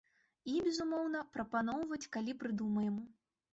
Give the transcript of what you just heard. І, безумоўна, прапаноўваць, калі прыдумаем.